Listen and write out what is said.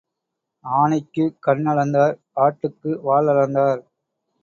ஆனைக்குக் கண் அளந்தார் ஆட்டுக்கு வால் அளந்தார்.